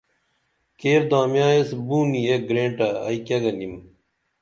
کیر دامیاں ایس بونی ایک گرینٹہ ائی کیہ گنِم